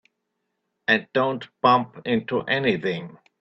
And don't bump into anything.